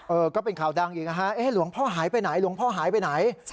ก็เป็นข่าวดังอีกนะฮะเอ๊ะหลวงพ่อหายไปไหนหลวงพ่อหายไปไหน